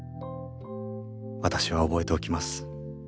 私は覚えておきます。